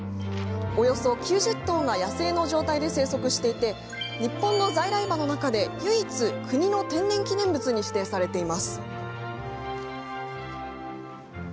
およそ９０頭が野生の状態で生息していて日本の在来馬の中で唯一、国の天然記念物に指定されています。